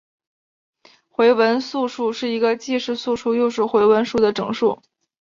回文素数是一个既是素数又是回文数的整数。